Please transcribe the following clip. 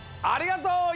ありがとう！